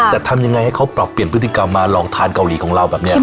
แต่ทำยังไงให้เขาปรับเปลี่ยนพฤติกรรมมาลองทานเกาหลีของเราแบบนี้